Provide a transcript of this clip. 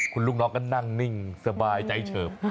คุณลูกน้องก็นั่งนิ่งสบายใจเฉิบ